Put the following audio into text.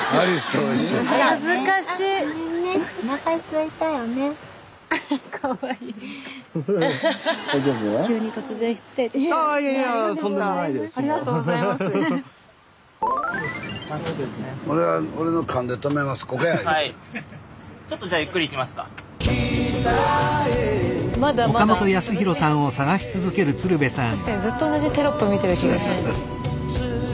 スタジオ確かにずっと同じテロップ見てる気がする。